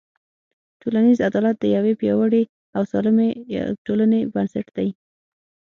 ټولنیز عدالت د یوې پیاوړې او سالمې ټولنې بنسټ دی.